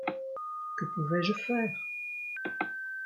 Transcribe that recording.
Que pouvais-je faire ?